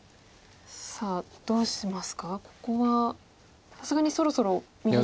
さあどうしますかここはさすがにそろそろ右下。